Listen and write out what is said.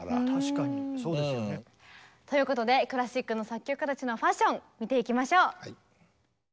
そうですよね。ということでクラシックの作曲家たちのファッション見ていきましょう！